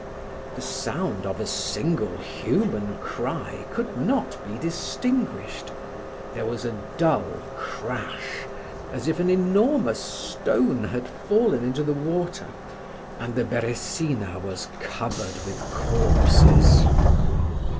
The sound of a single human cry could not be distinguished; there was a dull crash as if an enormous stone had fallen into the water and the Beresina was covered with corpses.